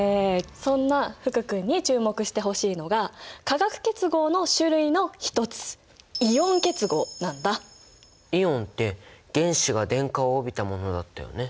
そんな福くんに注目してほしいのが化学結合の種類の一つイオンって原子が電荷を帯びたものだったよね。